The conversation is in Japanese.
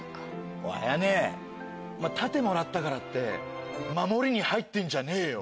おい綾音お前盾もらったからって守りに入ってんじゃねえよ。